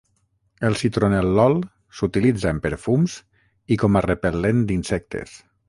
El citronel·lol s'utilitza en perfums i com a repel·lent d'insectes.